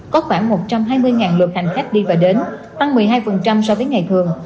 có khoảng một trăm hai mươi lượt hành khách đi và đến tăng một mươi hai so với ngày thường